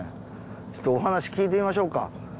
ちょっとお話聞いてみましょうか。